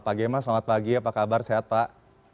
pak gemma selamat pagi apa kabar sehat pak